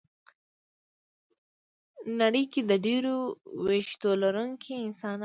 ه نړۍ کې د ډېرو وېښتو لرونکي انسان